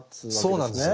そうなんです。